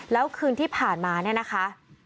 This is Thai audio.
แล้วคืนที่ผ่านมาเนี่ยนะคะ